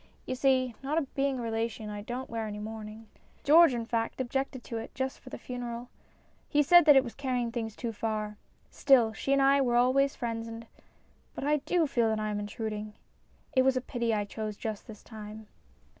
" You see, not being a relation, I don't wear any mourning. George, in fact, objected to it just for the funeral. He said that it was carrying things too far. Still, she and I were always friends and But I do feel that I am intruding. It was a pity I chose just this time."